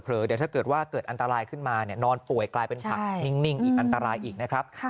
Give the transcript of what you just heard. เดี๋ยวถ้าเกิดว่าเกิดอันตรายขึ้นมานอนป่วยกลายเป็นผักนิ่งอีกอันตรายอีกนะครับ